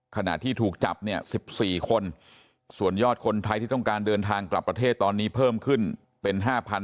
ขณะที่ถูกจับเนี่ย๑๔คนส่วนยอดคนไทยที่ต้องการเดินทางกลับประเทศตอนนี้เพิ่มขึ้นเป็น๕๐๐